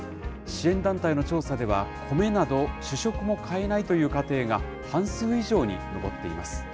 支援団体の調査では、米など主食も買えないという家庭が半数以上に上っています。